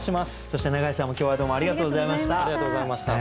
そして永井さんも今日はどうもありがとうございました。